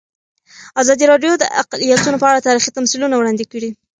ازادي راډیو د اقلیتونه په اړه تاریخي تمثیلونه وړاندې کړي.